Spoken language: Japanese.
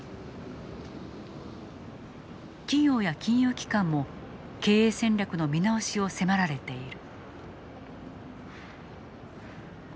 企業や金融機関も経営戦略の見直しを迫られている。